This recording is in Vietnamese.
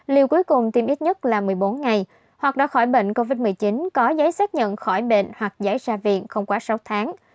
liều cuối cùng tiêm ít nhất là một mươi bốn ngày hoặc đã khỏi bệnh covid một mươi chín có giấy xác nhận khỏi bệnh hoặc giải ra viện không quá sáu tháng